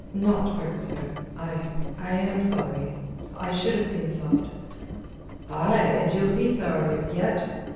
"Not pert, sir. I... I am sorry I should have been sought...." "Aye, and you'll be sorrier yet.